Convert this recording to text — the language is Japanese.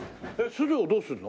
錫をどうするの？